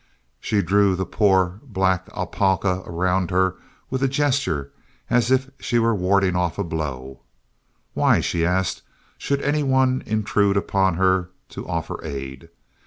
She drew the poor black alpaca about her with a gesture as if she were warding off a blow: "Why," she asked, "should any one intrude upon her to offer aid?